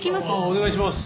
お願いします。